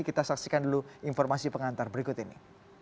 kita saksikan dulu informasi pengantar berikut ini